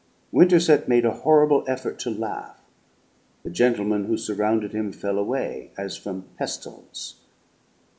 Winterset made a horrible effort to laugh. The gentlemen who surrounded him fell away as from pestilence.